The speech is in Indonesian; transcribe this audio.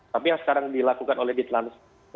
tapi yang sekarang dilakukan oleh ditlan terjaya tentunya bahwa